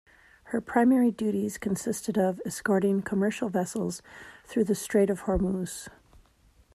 Her primary duties consisted of escorting commercial vessels through the Strait of Hormuz.